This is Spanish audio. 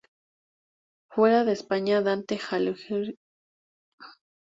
Fuera de España: Dante Alighieri, Geoffrey Chaucer, Ludovico Ariosto, Torcuato Tasso y otros.